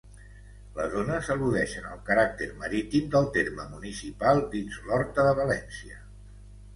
Les ones al·ludeixen al caràcter marítim del terme municipal, dins l'Horta de València.